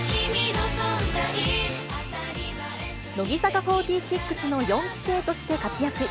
乃木坂４６の４期生として活躍。